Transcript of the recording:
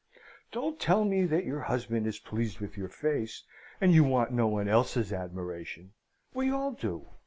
"Don't tell me that your husband is pleased with your face, and you want no one else's admiration! We all do.